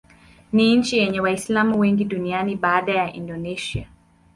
Ni nchi yenye Waislamu wengi duniani baada ya Indonesia.